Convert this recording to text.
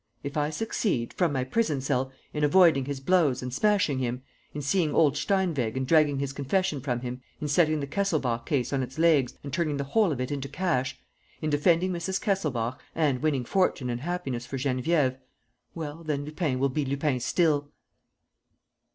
... If I succeed, from my prison cell, in avoiding his blows and smashing him, in seeing old Steinweg and dragging his confession from him, in setting the Kesselbach case on its legs and turning the whole of it into cash, in defending Mrs. Kesselbach and winning fortune and happiness for Geneviève ... well, then Lupin will be Lupin still!